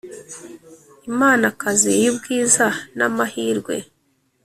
imanakazi y’ubwiza n’amahirwe